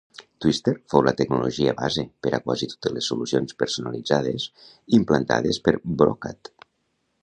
Twister fou la tecnologia base per a quasi totes les solucions personalitzades implantades per Brokat.